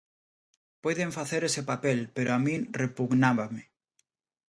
Puiden facer ese papel, pero a min repugnábame.